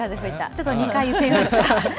ちょっと２回言ってみました。